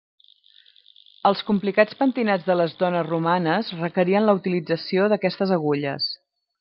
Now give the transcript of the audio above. Els complicats pentinats de les dones romanes requerien la utilització d'aquestes agulles.